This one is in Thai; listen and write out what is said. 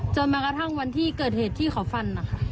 จนประมาณเรื่องเกิดวันที่ที่เค้าฟัน